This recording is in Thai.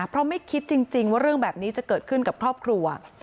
เพราะไม่คิดจริงว่าเรื่องแบบนี้จะเกิดขึ้นกับครอบครัว